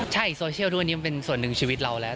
ใช่โซเชียลทุกวันนี้มันเป็นส่วนหนึ่งชีวิตเราแล้ว